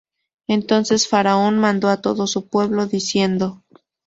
Entonces Faraón mandó á todo su pueblo, diciendo.